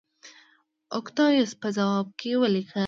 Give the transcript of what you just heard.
اوکتایوس په ځواب کې ولیکل